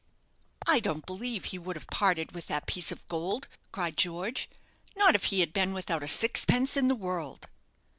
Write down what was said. "I don't believe he would have parted with that piece of gold," cried George, "not if he had been without a sixpence in the world."